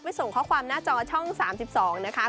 ส่งข้อความหน้าจอช่อง๓๒นะคะ